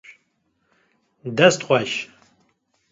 Dest xweş